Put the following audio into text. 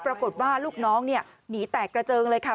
ปรากฏว่าลูกน้องหนีแตกกระเจิงเลยค่ะ